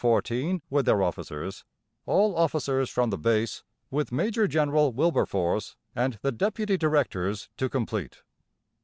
14 with their officers; all officers from the Base, with Major General Wilberforce and the Deputy Directors to complete.